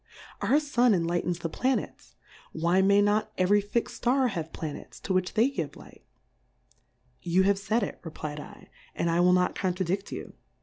Our Sun enlightens the Planets; why may not every tixM Star have Pla nets to which they give Light r' You have faid it, reflfdl^ and I will not contradi£l you.